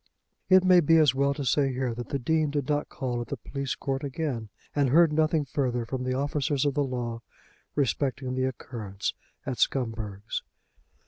It may be as well to say here that the Dean did not call at the police court again, and heard nothing further from the officers of the law respecting the occurrence at Scumberg's.